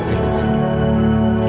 bapak sudah selesai berpikir pikir